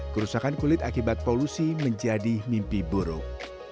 kerusakan kulit akibat polusi menjadi mimpi buruk